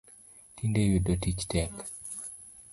Tinde yudo tich tek